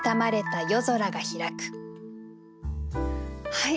はい。